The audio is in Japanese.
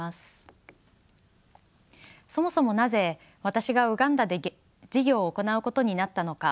そもそもなぜ私がウガンダで事業を行うことになったのか